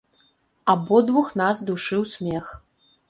Абодвух нас душыў смех.